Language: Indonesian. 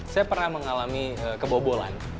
saya pernah mengalami kebobolan